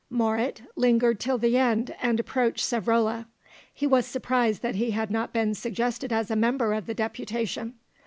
Moret lingered till the end and approached Savrola. He was surprised that he had not been suggested as a member of the deputation.